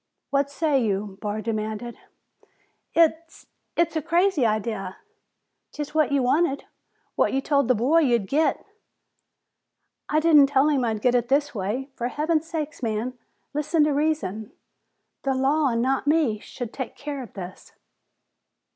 "What say you?" Barr demanded. "It it's a crazy idea!" "'Tis what ye wanted, what ye told the boy you'd git." "I didn't tell him I'd get it this way. For heaven's sake, man, listen to reason! The law, and not me, should take care of this."